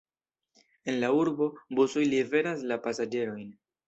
En la urbo busoj liveras la pasaĝerojn.